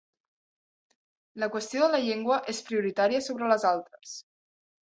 La qüestió de la llengua és prioritària sobre les altres.